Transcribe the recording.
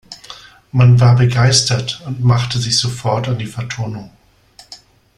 Man war begeistert und machte sich sofort an die Vertonung.